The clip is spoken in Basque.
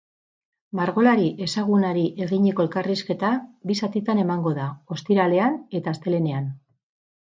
Margolari ezagunari eginiko elkarrizketa bi zatitan emango da, ostiralean eta astelehenean.